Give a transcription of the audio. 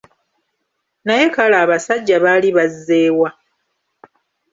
Naye kale abasajja baali bazze wa?